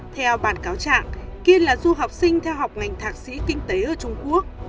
theo bản cáo trạng kiên là du học sinh theo học ngành thạc sĩ kinh tế ở trung quốc